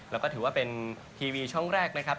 แล้วก็ถือว่าเป็นทีวีช่องแรกนะครับ